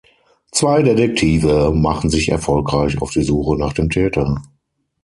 Zwei Detektive machen sich erfolgreich auf die Suche nach dem Täter.